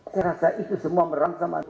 saya rasa itu semua merangkam